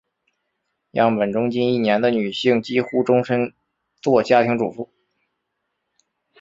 样本中近一半的女性几乎终生做家庭主妇。